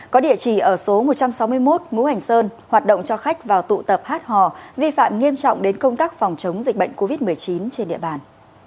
có địa chỉ ở số một trăm sáu mươi một ngũ hành sơn hoạt động cho khách vào tụ tập hát hò vi phạm nghiêm trọng đến công tác phòng chống dịch bệnh covid một mươi chín trên địa bàn